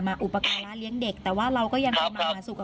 เพราะว่าผมมันเป็นเบอร์ผมเพราะว่าผมโดนด่าเละหมดเลยอะ